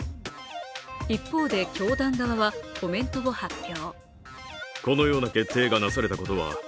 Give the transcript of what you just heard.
一方で教団側はコメントを発表。